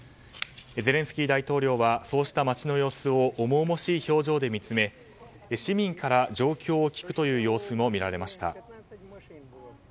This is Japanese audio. ゼレンスキー大統領はそうした街の様子を重々しい表情で見つめ市民から状況を聞くという様子も見られました。